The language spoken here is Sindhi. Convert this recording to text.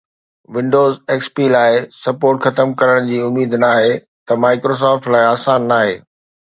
ونڊوز XP لاءِ سپورٽ ختم ڪرڻ جي اميد ناهي ته Microsoft لاءِ آسان ناهي